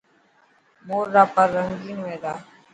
مور را پر رنگين هئي تا.